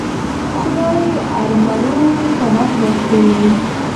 خدای ارومرو پناه ورکوي.